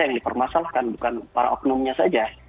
yang dipermasalahkan bukan para oknumnya saja